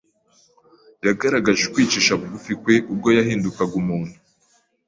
yagaragaje ukwicisha bugufi kwe ubwo yahindukaga umuntu.